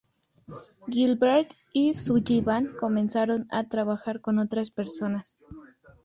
Gilbert y Sullivan comenzaron a trabajar con otras personas.